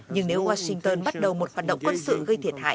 nhưng nếu washington bắt đầu một hoạt động quân sự gây thiệt hại